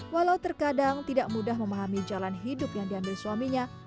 walau terkadang tidak mudah memahami jalan hidup yang diambil suaminya